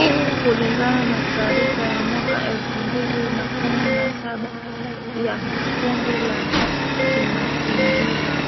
kulingana na taarifa ya mwaka elfu mbili na kumi saba ya kundi la kimazingira